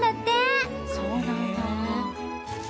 そうなんだ。